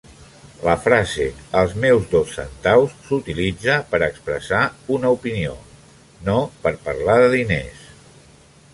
La frase "els meus dos centaus" s'utilitza per a expressar una opinió, no per parlar de diners.